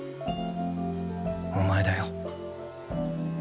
お前だよ。